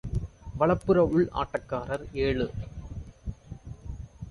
வலப்புற உள் ஆட்டக்காரர் ஏழு.